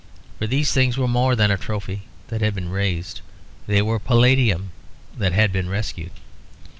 For these things were more than a trophy that had been raised, they were a palladium that had been rescued.